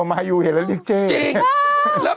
เป็นการกระตุ้นการไหลเวียนของเลือด